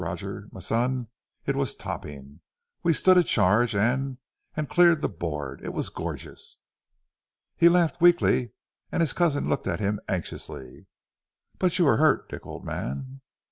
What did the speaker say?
Roger, my son, it was topping. We stood a charge and ... and cleared the board. It was gorgeous." He laughed weakly, and his cousin looked at him anxiously. "But you are hurt, Dick, old man?"